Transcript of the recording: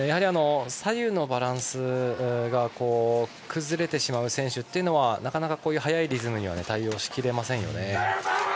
左右のバランスが崩れてしまう選手はなかなか速いリズムには対応しきれませんね。